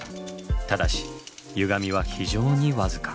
ただしゆがみは非常にわずか。